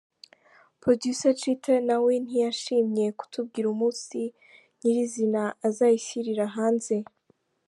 Producer Cheetah nawe ntiyashimye kutubwira umunsi nyir’izina azayishyirira hanze.